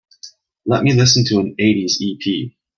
Let me listen to an eighties ep.